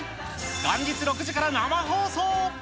元日６時から生放送。